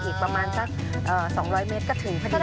อีกประมาณสัก๒๐๐เมตรก็ถึงพอดี